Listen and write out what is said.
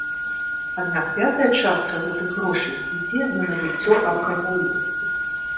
Аднак пятая частка гэтых грошай ідзе на набыццё алкаголю.